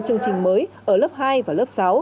chương trình mới ở lớp hai và lớp sáu